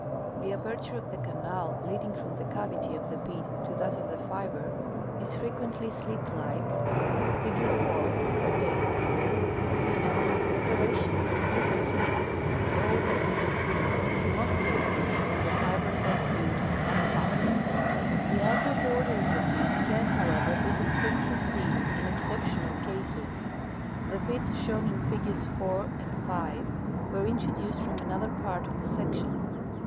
The aperture of the canal leading from the cavity of the pit to that of the fiber is frequently slit like (figure 4, a p), and in the preparations this slit is all that can be seen, in most cases, when the fibers are viewed en face. The outer border of the pit can, however, l)e distinctly seen in exceptional cases. The pits shown in figures 4 and 5 were introduced from another part of the section.